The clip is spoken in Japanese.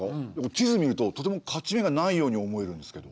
地図見るととても勝ち目がないように思えるんですけど。